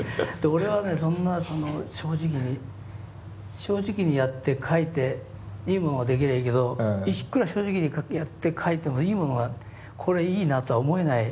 俺はねそんな正直に正直にやって書いていいものが出来りゃあいいけどいくら正直にやって書いてもいいものがこれいいなとは思えない。